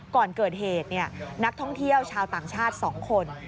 ก่อนเกิดเหตุนักท่องเที่ยวชาวต่างชาติ๒คน